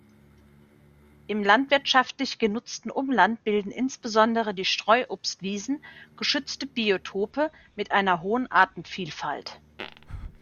Im landwirtschaftlich genutzten Umland bilden insbesondere die Streuobstwiesen geschützte Biotope mit einer hohen Artenvielfalt.